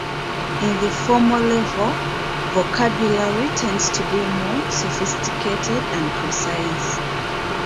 In the formal level, vocabulary tends to be more sophisticated and precise.